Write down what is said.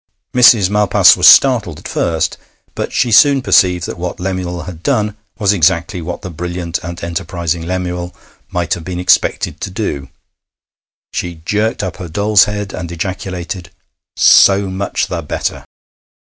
Mrs. Malpas was startled at first, but she soon perceived that what Lemuel had done was exactly what the brilliant and enterprising Lemuel might have been expected to do. She jerked up her doll's head, and ejaculated, 'So much the better!'